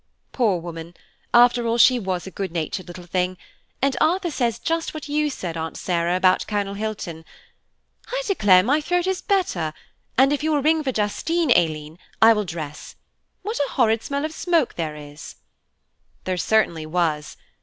Poor woman, after all she was a good natured little thing; and Arthur says just what you said, Aunt Sarah, about Colonel Hilton. I declare my throat is better, and if you will ring for Justine, Aileen, I will dress. What a horrid smell of smoke there is." There certainly was.